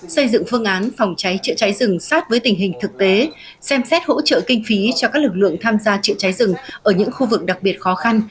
xây dựng phương án phòng cháy chữa cháy rừng sát với tình hình thực tế xem xét hỗ trợ kinh phí cho các lực lượng tham gia trụ cháy rừng ở những khu vực đặc biệt khó khăn